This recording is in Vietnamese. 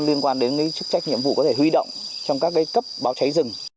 liên quan đến cái chức trách nhiệm vụ có thể huy động trong các cái cấp báo cháy rừng